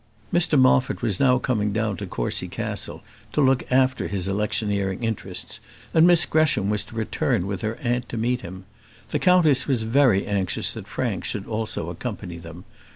Mr Moffat was now coming down to Courcy Castle to look after his electioneering interests, and Miss Gresham was to return with her aunt to meet him. The countess was very anxious that Frank should also accompany them.